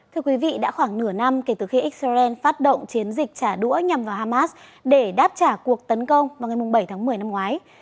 thưa quý vị đã khoảng nửa năm kể từ khi israel phát động chiến dịch trả đũa nhằm vào hamas để đáp trả cuộc tấn công vào ngày bảy tháng một mươi năm ngoái